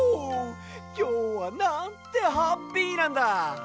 きょうはなんてハッピーなんだ！